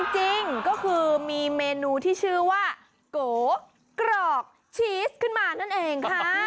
จริงก็คือมีเมนูที่ชื่อว่าโกกรอกชีสขึ้นมานั่นเองค่ะ